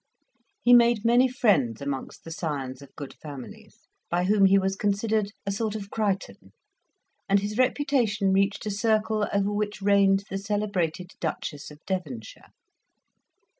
He made many friends amongst the scions of good families, by whom he was considered a sort of Crichton; and his reputation reached a circle over which reigned the celebrated Duchess of Devonshire.